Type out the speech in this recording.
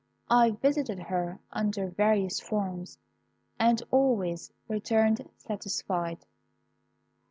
I visited her under various forms, and always returned satisfied.